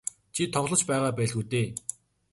Чи тоглож байгаа байлгүй дээ.